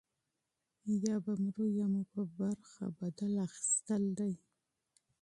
یا به مرو یا مو په برخه انتقام دی.